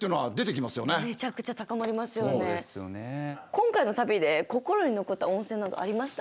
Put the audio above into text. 今回の旅で心に残った温泉などありました？